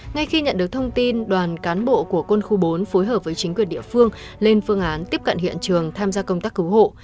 ngay khi nhận được thông tin đoàn cán bộ của quân khu bốn phối hợp với chính quyền địa phương lên phương án tiếp cận hiện trường tham gia công tác cứu hộ